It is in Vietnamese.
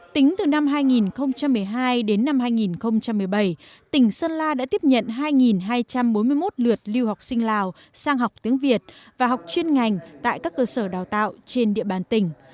tính từ năm hai nghìn một mươi hai đến năm hai nghìn một mươi bảy tỉnh sơn la đã tiếp nhận hai hai trăm bốn mươi một lượt lưu học sinh lào sang học tiếng việt và học chuyên ngành tại các cơ sở đào tạo trên địa bàn tỉnh